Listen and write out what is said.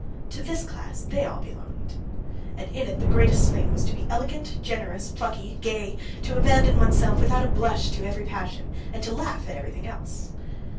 To this class they all belonged, and in it the great thing was to be elegant, generous, plucky, gay, to abandon oneself without a blush to every passion, and to laugh at everything else.